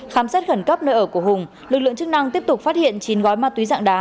khám xét khẩn cấp nơi ở của hùng lực lượng chức năng tiếp tục phát hiện chín gói ma túy dạng đá